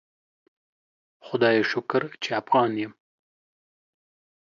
خدایه شکر چی افغان یم